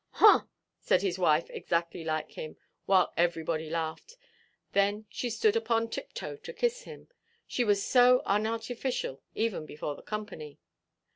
"Haw!" said his wife, exactly like him, while everybody laughed. Then she stood upon tiptoe to kiss him, she was so unartificial, even before the company.